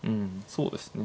そうですね。